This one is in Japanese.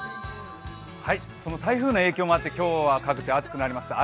台風の影響もあって今日は各地暑くなりますよ。